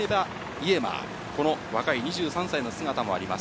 ・イマー、若い２３歳の姿もあります。